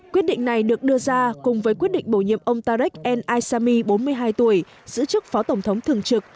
quyết định này được đưa ra cùng với quyết định bổ nhiệm ông tarek el asami bốn mươi hai tuổi giữ chức phó tổng thống thường trực